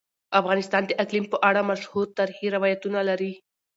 افغانستان د اقلیم په اړه مشهور تاریخی روایتونه لري.